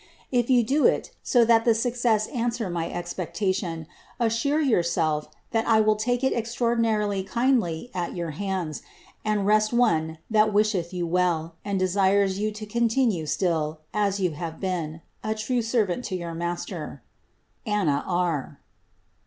If you do it so that the success answer my expectation, assure yourself that I will take it extraordinarily kindly at your hands, and rest one that wisheth you well, and desires you to continue still (as you have been) a true servant to your master, Avva R."